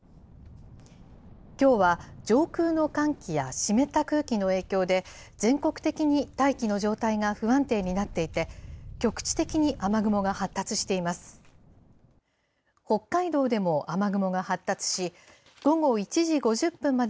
きょうは上空の寒気や湿った空気の影響で、全国的に大気の状態が不安定になっていて、局地的に雨雲が発達しています。